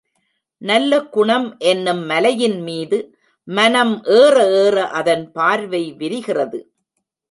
நல்ல குணம் என்னும் மலையின் மீது மனம் ஏற ஏற அதன் பார்வை விரிகிறது.